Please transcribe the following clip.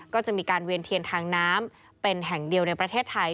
ก็จะมีการเวียนเทียนทางน้ำเป็นแห่งเดียวในประเทศไทย